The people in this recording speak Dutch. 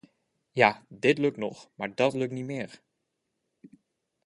Ja, dit lukt nog, maar dat lukt niet meer.